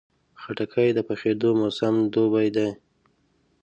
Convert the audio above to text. خټکی د پخېدو موسم دوبی دی.